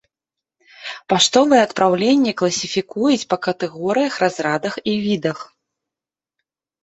Паштовыя адпраўленні класіфікуюць па катэгорыях, разрадах і відах.